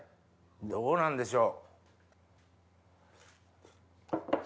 どうなんでしょう？